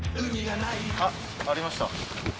あっありました。